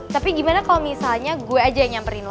tapi gimana kalau misalnya gue aja yang nyamperin